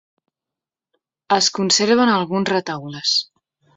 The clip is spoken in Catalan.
Es conserven alguns retaules.